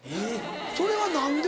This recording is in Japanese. それは何で？